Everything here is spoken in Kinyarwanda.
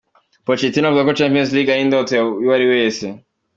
Pochettino avuga ko Champions League ari "indoto y'uwariwe wese".